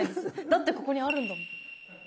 だってここにあるんだもん。